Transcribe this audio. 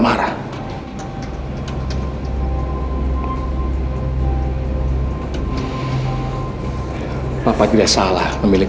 saya akan jaga dia baik baik